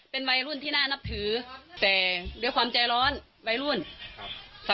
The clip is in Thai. เป็นวัยรุ่นที่น่านับถือแต่ด้วยความใจร้อนวัยรุ่นครับค่ะ